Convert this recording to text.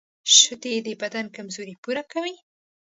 شیدې د بدن کمزوري پوره کوي